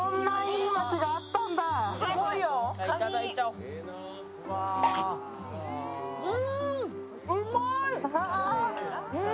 いただいちゃおう。